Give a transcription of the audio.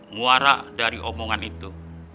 muara dari omongan itu